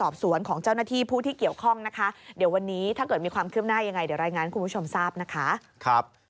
โปรดติดตามตอนต่อไป